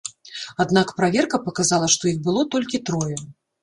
Аднак праверка паказала, што іх было толькі трое.